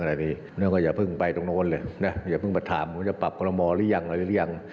ในนี้มันก็อย่าเพิ่งไปตรงนู้นเลยอย่าเพิ่งบัตรถามว่าจะปรับคณะมองหรือยังนานรี่หรือยัง